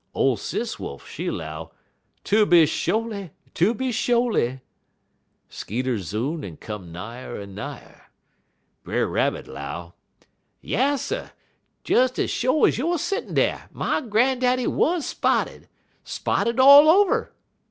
Ole Sis Wolf, she 'low 'Tooby sho'ly, tooby sho'ly!' (Skeeter zoon en come nigher en nigher.) Brer Rabbit 'low: "'Yasser! Des ez sho' ez youer settin' dar, my grandaddy wuz spotted. Spotted all over.